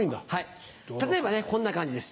例えばねこんな感じです。